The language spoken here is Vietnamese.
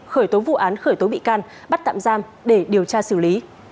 khởi tố vụ án khởi tố bị can bắt tạm giam để điều tra xử lý